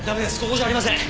ここじゃありません。